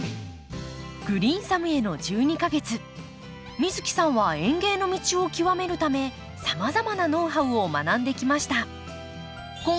美月さんは園芸の道を極めるためさまざまなノウハウを学んできました。